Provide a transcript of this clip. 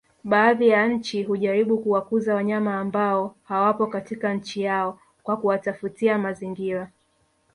Baadhi ya nchi hujaribu kuwakuza wanyama ambao hawapo katika nchi yao kwa kuwatafutia mazingira